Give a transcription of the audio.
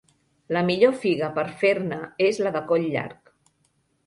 La millor figa per fer-ne és la de coll llarg.